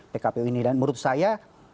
pkpu ini dan menurut saya